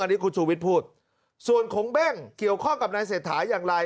อันนี้คุณชูวิทย์พูดส่วนของเบ้งเกี่ยวข้องกับนายเศรษฐาอย่างไร